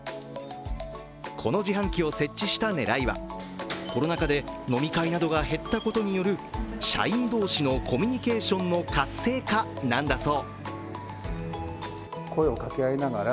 この自販機を設置した狙いはコロナ禍で飲み会などが減ったことによる社員同士のコミュニケーションの活性化なんだそう。